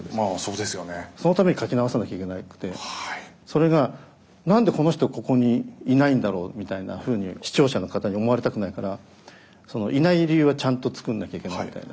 それが何でこの人ここにいないんだろうみたいなふうに視聴者の方に思われたくないからいない理由はちゃんと作んなきゃいけないみたいな。